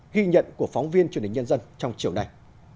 ghi nhận của phóng viên truyền hình nhân dân trong chiều nay